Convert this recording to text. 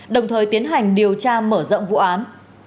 đồng thời tiến hành điều tra mở rộng vụ án